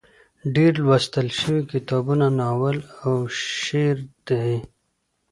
ډېر لوستل شوي کتابونه ناول او شعر دي.